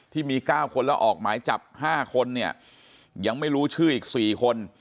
ที่มี๙คนแล้วออกหมายจับ๕คนเนี่ยยังไม่รู้ชื่ออีก๔คน